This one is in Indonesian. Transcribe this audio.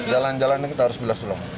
jalan jalan ini kita harus bilas ulang